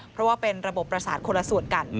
เพราะว่าเป็นระบบประสาทคนละส่วนกัน